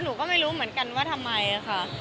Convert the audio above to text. หนูก็ไม่รู้เหมือนกันว่าทำไมค่ะ